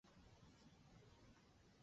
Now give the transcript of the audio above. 以卢汝弼代为副使。